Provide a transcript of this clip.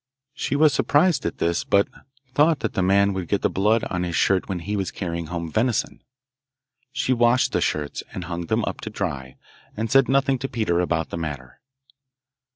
She was surprised at this, but thought that the man would get the blood on his shirt when he was carrying home venison. She washed the shirts, and hung them up to dry, and said nothing to Peter about the matter.